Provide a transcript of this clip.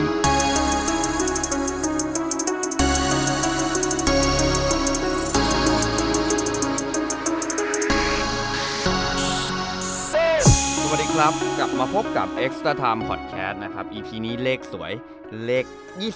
สวัสดีครับกลับมาพบกับเอ็กซ์เตอร์ไทม์พอดแคสนะครับอีพีนี้เลขสวยเลข๒๒